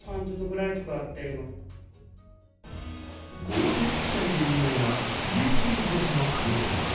豪雪地帯で有名な岐阜県飛騨市の神岡では、